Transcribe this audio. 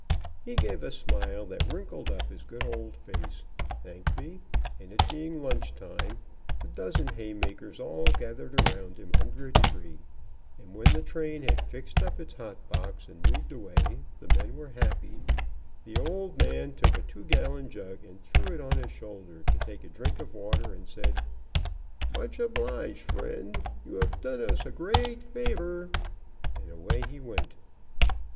He gave a smile that wrinkled up his good old face, thanked me, and it being lunch time, the dozen hay makers all gathered around him Now they look for me. under a tree and when the train had fixed up its hot box and moved away the men were happy, the old man took a two gallon jug and threw it on his shoulder to take a drink of water, and said : 'Much obliged, friend, you have done us a great favor,' and away he went.